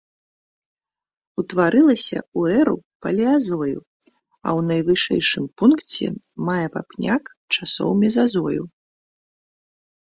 Утварылася ў эру палеазою, а ў найвышэйшым пункце мае вапняк часоў мезазою.